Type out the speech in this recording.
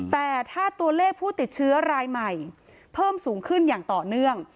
แต่ถ้าตัวเลขผู้ติดเชื้อรายใหม่เพิ่มสูงขึ้นอย่างต่อเนื่อง